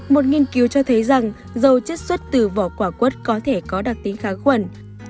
một nghiên cứu cho thấy rằng dầu chất xuất từ vỏ quả quất có thể có đặc tính kháng khuẩn